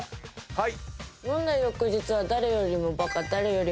はい。